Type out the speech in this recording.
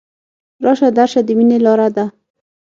راشه درشه د ميني لاره ده